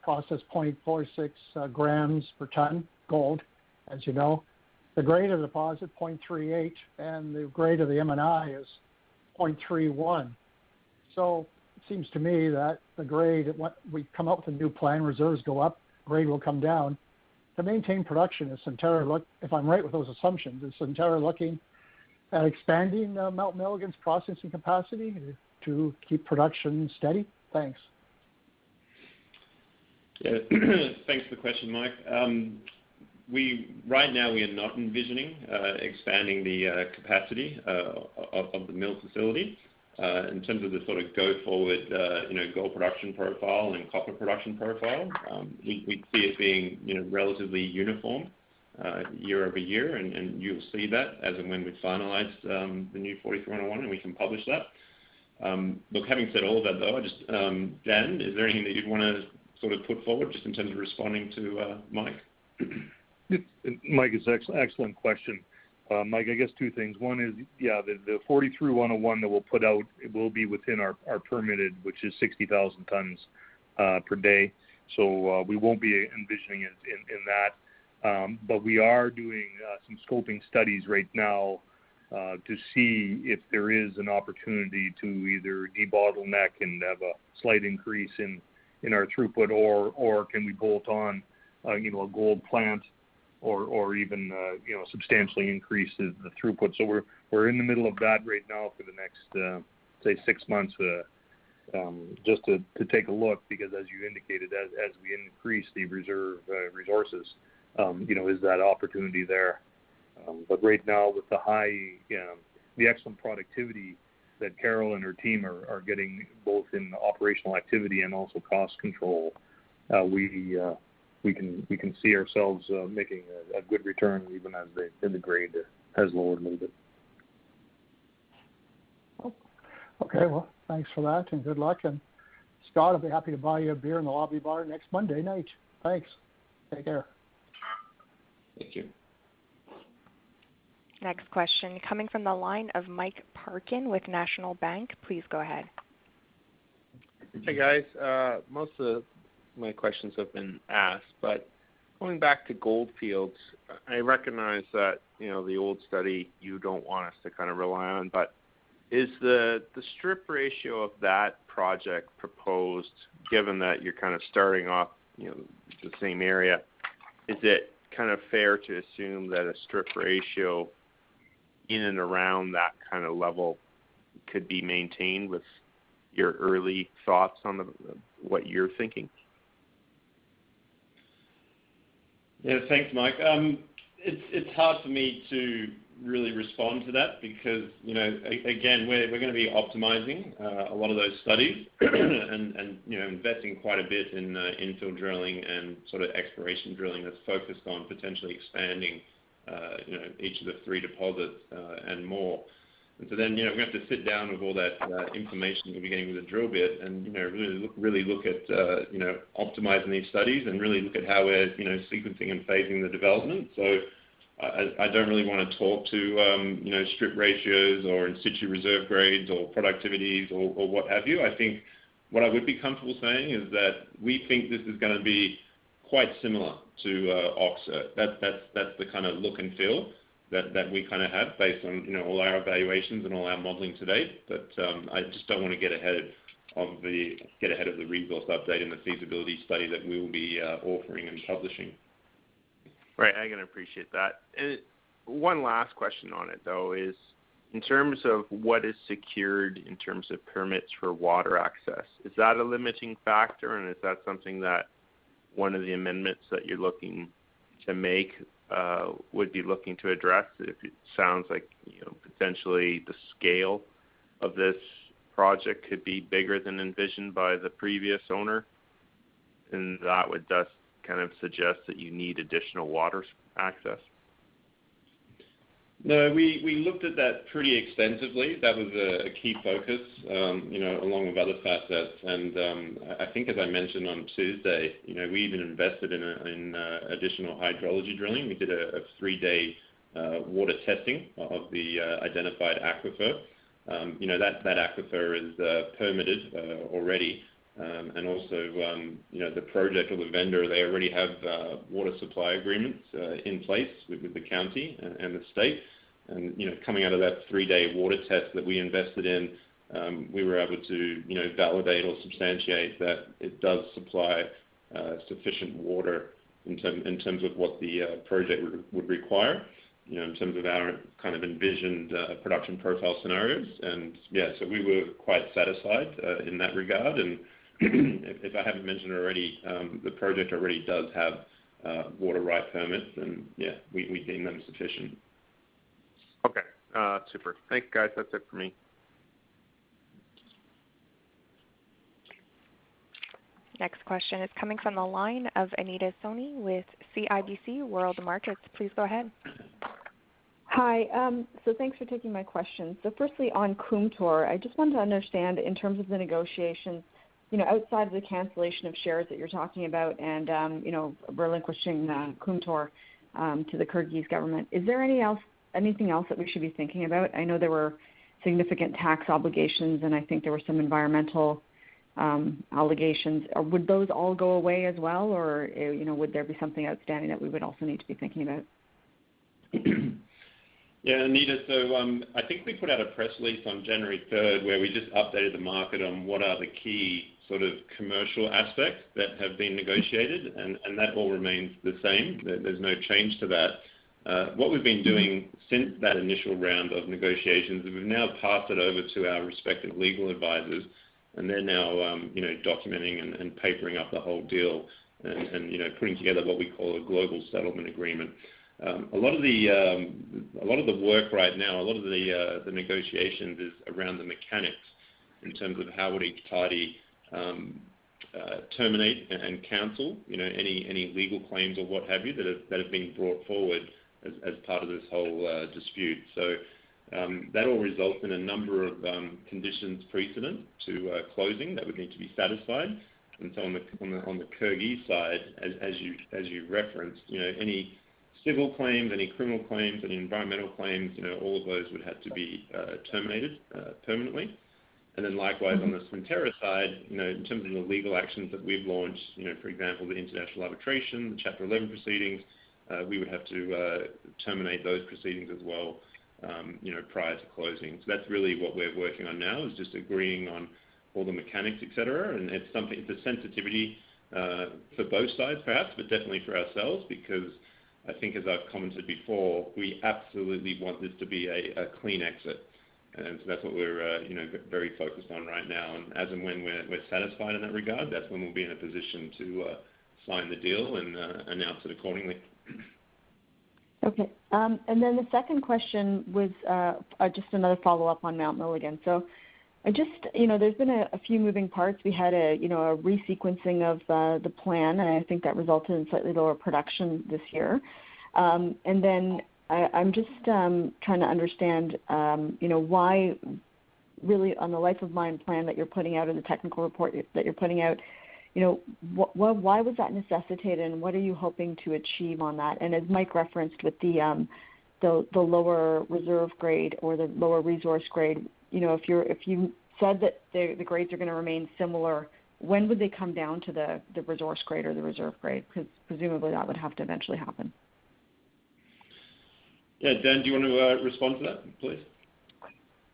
processed 0.46 grams per ton gold, as you know. The grade of deposit 0.38 and the grade of the M&I is 0.31. It seems to me that the grade, what we come up with a new plan, reserves go up, grade will come down. To maintain production, if I'm right with those assumptions, is Centerra looking at expanding Mount Milligan's processing capacity to keep production steady? Thanks. Yeah. Thanks for the question, Mike. Right now we are not envisioning expanding the capacity of the mill facility. In terms of the sort of go forward, you know, gold production profile and copper production profile, we see it being, you know, relatively uniform year-over-year, and you'll see that as and when we finalize the new 43-101, and we can publish that. Look, having said all that though, just, Dan, is there anything that you'd wanna sort of put forward just in terms of responding to Mike? Yep. Mike, it's excellent question. Mike, I guess two things. One is, yeah, the 43-101 that we'll put out will be within our permitted, which is 60,000 tons per day. So, we won't be envisioning it in that. But we are doing some scoping studies right now to see if there is an opportunity to either debottleneck and have a slight increase in our throughput or can we bolt on, you know, a gold plant or even, you know, substantially increase the throughput. So we're in the middle of that right now for the next, say, six months, just to take a look because as you indicated, as we increase the reserve resources, you know, is that opportunity there? Right now with the high, the excellent productivity that Carol and her team are getting both in operational activity and also cost control, we can see ourselves making a good return even as the grade has lowered a little bit. Okay. Well, thanks for that and good luck. Scott, I'll be happy to buy you a beer in the lobby bar next Monday night. Thanks. Take care. Thank you. Next question coming from the line of Mike Parkin with National Bank. Please go ahead. Hey, guys. Most of my questions have been asked, but going back to Goldfield, I recognize that, you know, the old study you don't want us to kind of rely on. Is the strip ratio of that project proposed given that you're kind of starting off, you know, the same area? Is it kind of fair to assume that a strip ratio in and around that kind of level could be maintained with your early thoughts on the, what you're thinking? Thanks, Mike. It's hard for me to really respond to that because, you know, we're gonna be optimizing a lot of those studies and you know, investing quite a bit in infill drilling and sort of exploration drilling that's focused on potentially expanding you know, each of the three deposits and more. You know, we have to sit down with all that information we'll be getting with the drill bit and you know, really look at optimizing these studies and really look at how we're you know, sequencing and phasing the development. I don't really wanna talk to you know, strip ratios or in-situ reserve grades or productivities or what have you. I think what I would be comfortable saying is that we think this is gonna be quite similar to Öksüt. That's the kind of look and feel that we kinda have based on, you know, all our evaluations and all our modeling to date. I just don't wanna get ahead of the resource update and the feasibility study that we will be offering and publishing. Right. I can appreciate that. One last question on it, though, is in terms of what is secured in terms of permits for water access, is that a limiting factor? Is that something that one of the amendments that you're looking to make would be looking to address if it sounds like, you know, potentially the scale of this project could be bigger than envisioned by the previous owner? That would thus kind of suggest that you need additional water access. No. We looked at that pretty extensively. That was a key focus, you know, along with other facets. I think as I mentioned on Tuesday, you know, we even invested in additional hydrology drilling. We did a three-day water testing of the identified aquifer. You know, that aquifer is permitted already. Also, you know, the project or the vendor, they already have water supply agreements in place with the county and the state. You know, coming out of that three-day water test that we invested in, we were able to, you know, validate or substantiate that it does supply sufficient water in terms of what the project would require, you know, in terms of our kind of envisioned production profile scenarios. We were quite satisfied in that regard. If I haven't mentioned already, the project already does have water right permits and, yeah, we deem them sufficient. Okay. Super. Thank you, guys. That's it for me. Next question is coming from the line of Anita Soni with CIBC World Markets. Please go ahead. Hi. Thanks for taking my questions. Firstly, on Kumtor, I just wanted to understand in terms of the negotiations, you know, outside the cancellation of shares that you're talking about and you know, relinquishing Kumtor to the Kyrgyz government, is there anything else that we should be thinking about? I know there were Significant tax obligations, and I think there were some environmental allegations. Would those all go away as well, or, you know, would there be something outstanding that we would also need to be thinking about? Yeah, Anita, I think we put out a press release on January third, where we just updated the market on what are the key sort of commercial aspects that have been negotiated, and that all remains the same. There's no change to that. What we've been doing since that initial round of negotiations is we've now passed it over to our respective legal advisors, and they're now, you know, documenting and papering up the whole deal and, you know, putting together what we call a global settlement agreement. A lot of the work right now, a lot of the negotiations is around the mechanics in terms of how would each party terminate and cancel, you know, any legal claims or what have you, that have been brought forward as part of this whole dispute. That will result in a number of conditions precedent to closing that would need to be satisfied. On the Kyrgyz side, as you referenced, you know, any civil claims, any criminal claims, any environmental claims, you know, all of those would have to be terminated permanently. Then likewise, on the Centerra side, you know, in terms of the legal actions that we've launched, you know, for example, the international arbitration, the Chapter 11 proceedings, we would have to terminate those proceedings as well, you know, prior to closing. That's really what we're working on now is just agreeing on all the mechanics, et cetera. It's something, the sensitivity, for both sides perhaps, but definitely for ourselves, because I think as I've commented before, we absolutely want this to be a clean exit. That's what we're very focused on right now. As and when we're satisfied in that regard, that's when we'll be in a position to sign the deal and announce it accordingly. Okay. The second question was just another follow-up on Mount Milligan. I just, you know, there's been a few moving parts. We had, you know, a resequencing of the plan, and I think that resulted in slightly lower production this year. I'm just trying to understand, you know, why really on the life of mine plan that you're putting out or the technical report that you're putting out, you know, why was that necessitated, and what are you hoping to achieve on that? As Mike referenced with the lower reserve grade or the lower resource grade, you know, if you said that the grades are gonna remain similar, when would they come down to the resource grade or the reserve grade? Because presumably that would have to eventually happen. Yeah. Dan, do you wanna respond to that, please?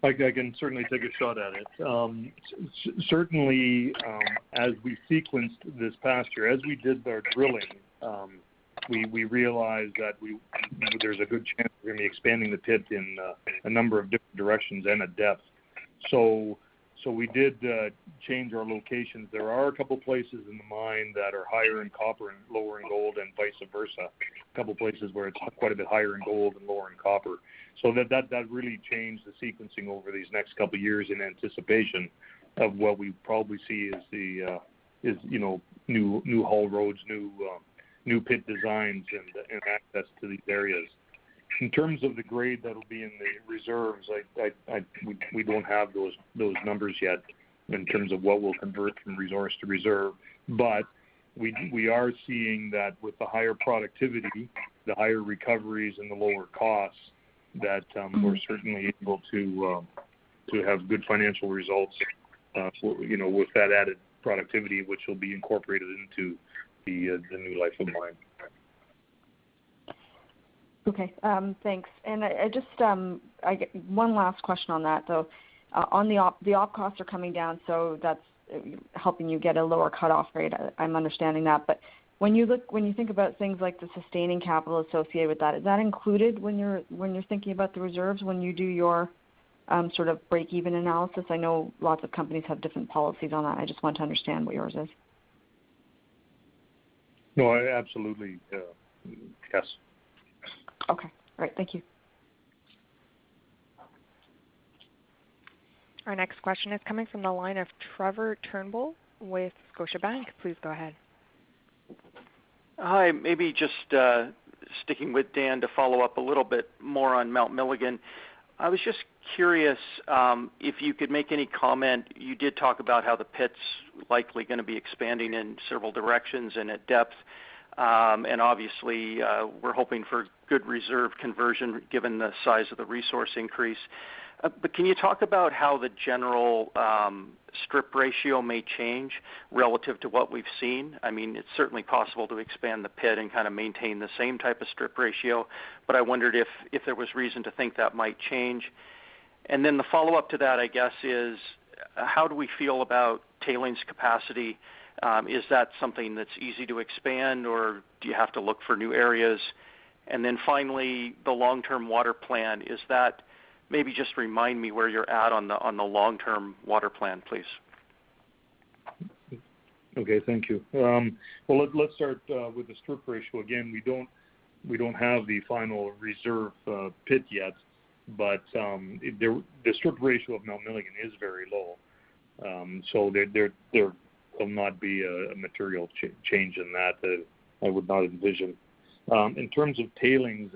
Mike, I can certainly take a shot at it. Certainly, as we sequenced this past year, as we did our drilling, we realized that, you know, there's a good chance we're gonna be expanding the pit in a number of different directions and at depth. So we did change our locations. There are a couple places in the mine that are higher in copper and lower in gold and vice versa, a couple places where it's quite a bit higher in gold and lower in copper. So that really changed the sequencing over these next couple years in anticipation of what we probably see as, you know, new haul roads, new pit designs and access to these areas. In terms of the grade that'll be in the reserves, I We don't have those numbers yet in terms of what we'll convert from resource to reserve. We are seeing that with the higher productivity, the higher recoveries and the lower costs, that we're certainly able to have good financial results, you know, with that added productivity, which will be incorporated into the new life of mine. Okay, thanks. One last question on that, though. On the operating costs are coming down, so that's helping you get a lower cut-off grade. I understand that. When you think about things like the sustaining capital associated with that, is that included when you're thinking about the reserves when you do your sort of break-even analysis? I know lots of companies have different policies on that. I just want to understand what yours is. No, absolutely, yeah. Yes. Okay. All right. Thank you. Our next question is coming from the line of Trevor Turnbull with Scotiabank. Please go ahead. Hi. Maybe just sticking with Dan to follow up a little bit more on Mount Milligan. I was just curious if you could make any comment. You did talk about how the pit's likely gonna be expanding in several directions and at depth. Obviously, we're hoping for good reserve conversion given the size of the resource increase. Can you talk about how the general strip ratio may change relative to what we've seen? I mean, it's certainly possible to expand the pit and kind of maintain the same type of strip ratio, but I wondered if there was reason to think that might change. The follow-up to that, I guess, is how do we feel about tailings capacity? Is that something that's easy to expand, or do you have to look for new areas? Finally, the long-term water plan. Is that? Maybe just remind me where you're at on the long-term water plan, please. Okay, thank you. Well, let's start with the strip ratio. Again, we don't have the final reserve pit yet, but the strip ratio of Mount Milligan is very low. So there will not be a material change in that, I would not envision. In terms of tailings,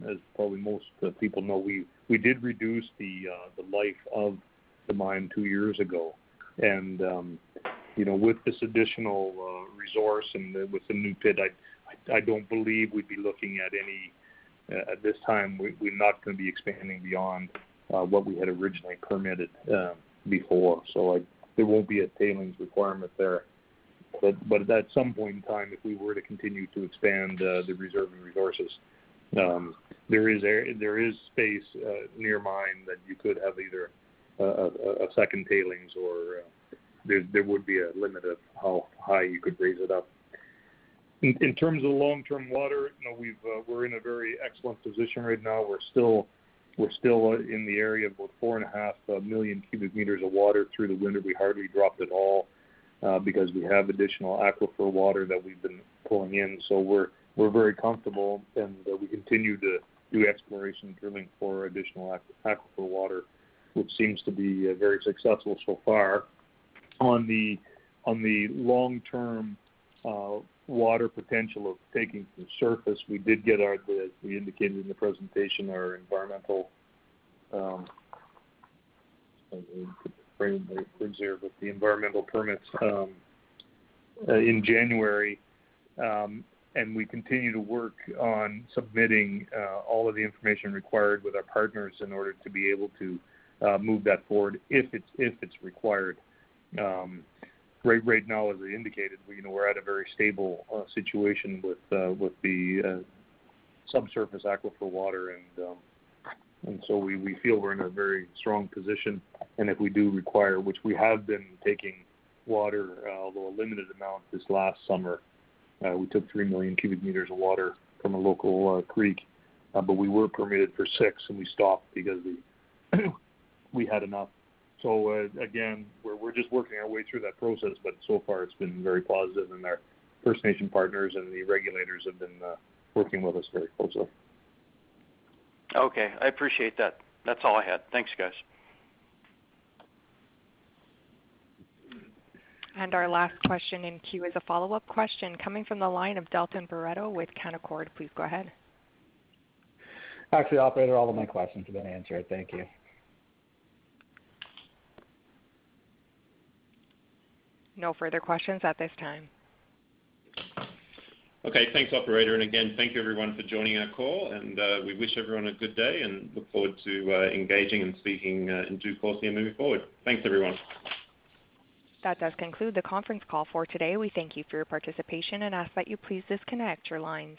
as probably most people know, we did reduce the life of the mine two years ago. You know, with this additional resource and with the new pit, I don't believe we'd be looking at any. At this time, we're not gonna be expanding beyond what we had originally permitted before. Like, there won't be a tailings requirement there. At some point in time, if we were to continue to expand the reserve and resources, there is space near mine that you could have either a second tailings or there would be a limit of how high you could raise it up. In terms of long-term water, you know, we're in a very excellent position right now. We're still in the area of 4.5 million cubic meters of water through the winter. We hardly dropped at all because we have additional aquifer water that we've been pulling in. So we're very comfortable and we continue to do exploration drilling for additional aquifer water, which seems to be very successful so far. On the long-term water potential of taking to the surface, we indicated in the presentation our environmental framework approval with the environmental permits in January. We continue to work on submitting all of the information required with our partners in order to be able to move that forward if it's required. Right now, as we indicated, you know, we're at a very stable situation with the subsurface aquifer water. We feel we're in a very strong position. If we do require, which we have been taking water, although a limited amount this last summer. We took 3 million cubic meters of water from a local creek, but we were permitted for six and we stopped because we had enough. Again, we're just working our way through that process, but so far it's been very positive and our First Nation partners and the regulators have been working with us very closely. Okay. I appreciate that. That's all I had. Thanks, guys. Our last question in queue is a follow-up question coming from the line of Dalton Baretto with Canaccord. Please go ahead. Actually, operator, all of my questions have been answered. Thank you. No further questions at this time. Okay, thanks, operator. Again, thank you everyone for joining our call, and we wish everyone a good day and look forward to engaging and speaking in due course here moving forward. Thanks, everyone. That does conclude the conference call for today. We thank you for your participation and ask that you please disconnect your lines.